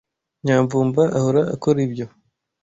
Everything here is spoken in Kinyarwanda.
Nyamvumba ahora akora ibyo.